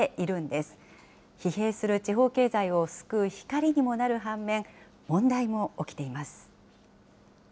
疲弊する地方経済を救う光にもなる反面、問題も起きています。